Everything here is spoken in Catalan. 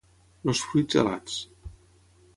Els fruits alats.